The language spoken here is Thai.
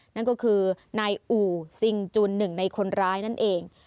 นั่นก็คือนายอู่ซิงจุนหนึ่งในคนร้ายนั่นเอง